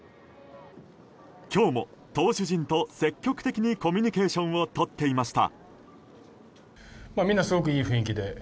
今日も投手陣と積極的にコミュニケーションをとっていました。